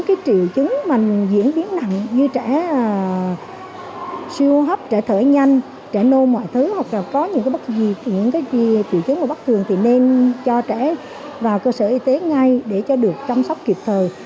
thì những triệu chứng mà diễn biến nặng như trẻ siêu hấp trẻ thở nhanh trẻ nôn mọi thứ hoặc là có những triệu chứng bắc thường thì nên cho trẻ vào cơ sở y tế ngay để cho được chăm sóc kịp thời